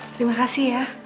terima kasih ya